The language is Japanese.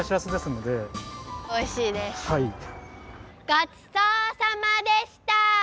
ごちそうさまでした！